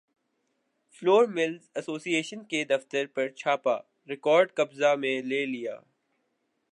floor mills association کے دفترپر چھاپہ ریکارڈ قبضہ میں لے لیا